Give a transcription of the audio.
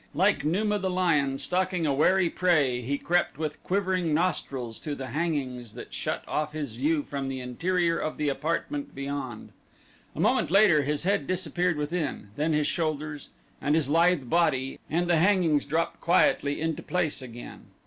Like Numa, the lion, stalking a wary prey he crept with quivering nostrils to the hangings that shut off his view from the interior of the apartment beyond. A moment later his head disappeared within; then his shoulders, and his lithe body, and the hangings dropped quietly into place again.